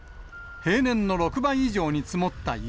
平年の６倍以上に積もった雪。